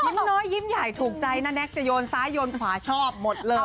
น้องน้อยยิ้มใหญ่ถูกใจนะแน็กจะโยนซ้ายโยนขวาชอบหมดเลย